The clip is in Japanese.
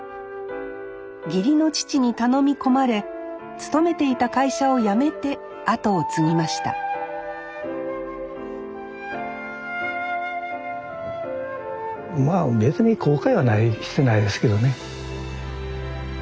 義理の父に頼み込まれ勤めていた会社を辞めて後を継ぎましたまあ別に後悔はしてないですけどね。